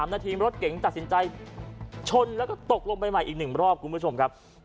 นาทีรถเก๋งตัดสินใจชนแล้วก็ตกลงไปใหม่อีก๑รอบคุณผู้ชมครับ